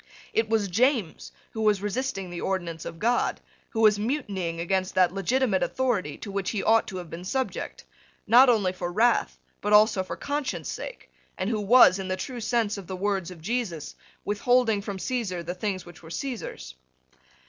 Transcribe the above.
It was James who was resisting the ordinance of God, who was mutinying against that legitimate authority to which he ought to have been subject, not only for wrath, but also for conscience sake, and who was, in the true sense of the words of Jesus, withholding from Caesar the things which were Caesar's.